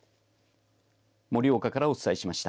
盛岡からお伝えしました。